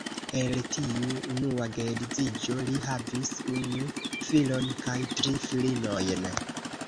El tiu unua geedziĝo li havis unu filon kaj tri filinojn.